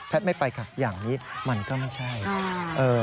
แพทย์ไม่ไปค่ะอย่างนี้มันก็ไม่ใช่